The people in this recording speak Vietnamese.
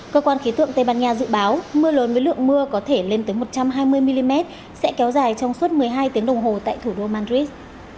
cơ quan khí tượng tây ban nha dự báo mưa lớn với lượng mưa có thể lên tới một trăm hai mươi mm sẽ kéo dài trong suốt một mươi hai tiếng đồng hồ tại thủ đô madrid